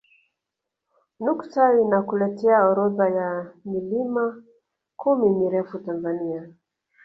Nukta inakuletea orodha ya milima kumi mirefu Tanzania